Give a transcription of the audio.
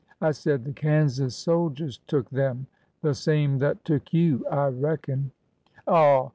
'^'' I said the Kansas soldiers took them,— the same that took you, I reckon/' Aw